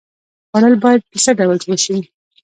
خوړل باید په څه ډول وشي؟